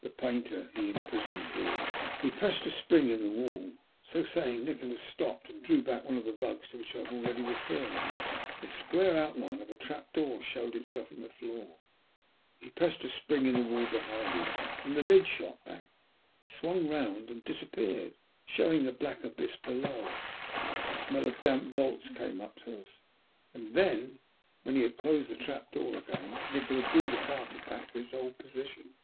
The painter he imprisoned here." [Illustration: "He pressed a spring in the wall."] So saying Nikola stooped and drew back one of the rugs to which I have already referred. The square outline of a trap door showed itself in the floor. He pressed a spring in the wall behind him, and the lid shot back, swung round, and disappeared, showing the black abyss below. A smell of damp vaults came up to us. Then, when he had closed the trap door again, Nikola drew the carpet back to its old position.